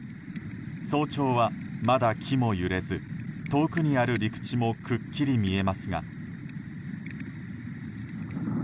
早朝は、まだ木も揺れず遠くにある陸地もくっきり見えますが。